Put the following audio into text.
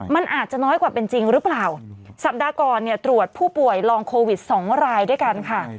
มันอาจจะน้อยกว่าเป็นจริงหรือเปล่าสัปดาห์ก่อนเนี่ยตรวจผู้ป่วยลองโควิดสองรายด้วยกันค่ะ